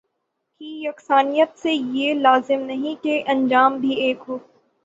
کی یکسانیت سے یہ لازم نہیں کہ انجام بھی ایک ہو